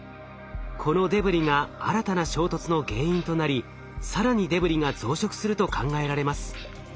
このデブリが新たな衝突の原因となり更にデブリが増殖すると考えられます。